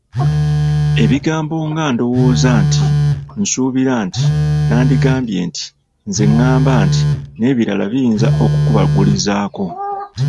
Ebigambo nga “ndowooza nti, nsuubira nti, nandigambye nti, nze ηηamba nti” n’ebirala biyinza okukubagulizaako.